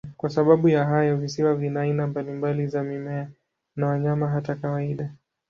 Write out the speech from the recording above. Kwa sababu ya hayo, visiwa vina aina mbalimbali za mimea na wanyama, hata kawaida.